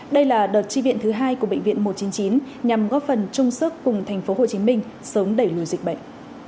đây là đợt tri viện thứ hai của bệnh viện một trăm chín mươi chín nhằm góp phần chung sức cùng tp hcm sớm đẩy lùi dịch bệnh